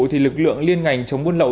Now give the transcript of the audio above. thì lực lượng liên ngành chống buôn lậu